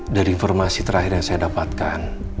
dari informasi terakhir yang saya dapatkan